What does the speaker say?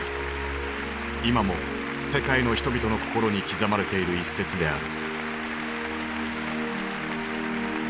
今も世界の人々の心に刻まれている一節である。